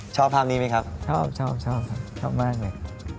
ชอบภาพนี้ไหมครับชอบชอบครับชอบมากเลย